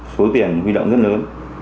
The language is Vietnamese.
số tiền huy động rất lớn